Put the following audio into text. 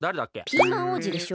ピーマン王子でしょ。